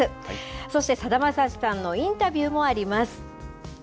そして、さだまさしさんのインタビューもあります。